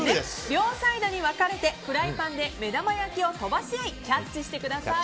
両サイドに分かれてフライパンで目玉焼きを飛ばし合いキャッチしてください。